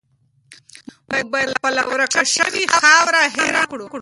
موږ باید خپله ورکه شوې خاوره هیره نه کړو.